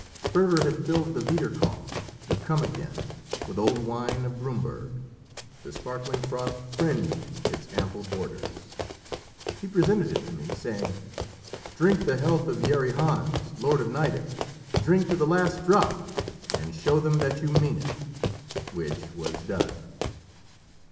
Sperver had filled the "wieder komm," the "come again," with old wine of Brumberg; the sparkling froth fringed its ample borders; he presented it to me, saying "Drink the health of Yeri Hans, lord of Nideck. Drink to the last drop, and show them that you mean it!" Which was done.